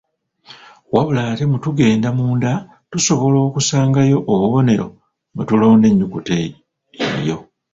Wabula ate mu tugenda munda tusobola okusangayo obubonero mwe tulonda ennyukuta eyo.